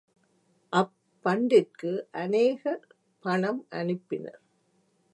அப்பண்டிற்கு அநேகர் பணம் அனுப்பினர்.